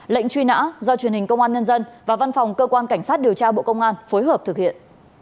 lệnh truy nã do truyền hình công an nhân dân và văn phòng cơ quan cảnh sát điều tra bộ công an phối hợp thực hiện